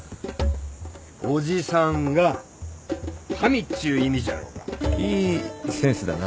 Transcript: おじさんが神っちゅう意味じゃろが。いいセンスだな。